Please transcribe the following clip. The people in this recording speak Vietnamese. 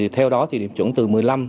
theo đó điểm chuẩn từ một mươi năm